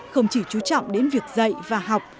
không chỉ chú trọng đến việc dạy và học